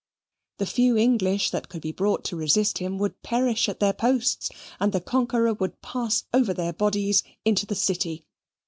The few English that could be brought to resist him would perish at their posts, and the conqueror would pass over their bodies into the city.